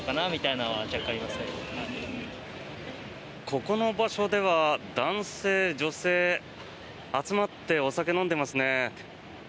ここの場所では男性、女性集まってお酒を飲んでいますね。